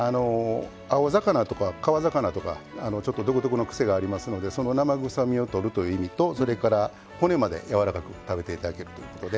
青魚とか川魚とかちょっと独特のクセがありますのでその生臭みを取るという意味とそれから骨まで柔らかく食べて頂けるということで。